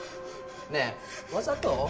ねえわざと？